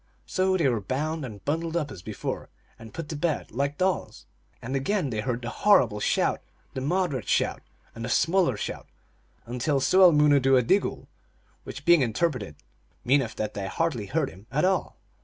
So they were bound and bundled up as before, and put to bed like dolls. And again they heard the horrible shout, the moderate shout, and the smaller shout, until sooel moonoodooa/idigool, which, being interpreted, mean eth that they hardly heard him at all.